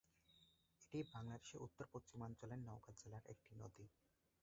এটি বাংলাদেশের উত্তর-পশ্চিমাঞ্চলের নওগাঁ জেলার একটি নদী।